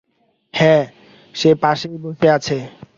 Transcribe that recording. হ্যাঁ, সে পাশেই বসে আছে।